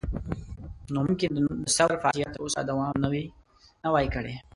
نو ممکن د ثور فاجعه تر اوسه دوام نه وای کړی.